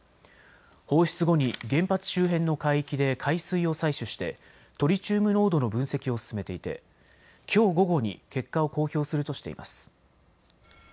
放出後に原発周辺の海域で海水を採取してトリチウム濃度の分析を進めていてきょう午後に結果を公表するとしています。